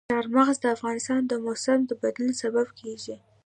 چار مغز د افغانستان د موسم د بدلون سبب کېږي.